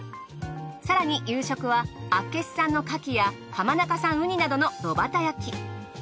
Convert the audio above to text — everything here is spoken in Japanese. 更に夕食は厚岸産のカキや浜中産ウニなどの炉端焼き。